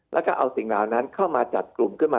แล้วก็เอาสิ่งเหล่านั้นเข้ามาจัดกลุ่มขึ้นมา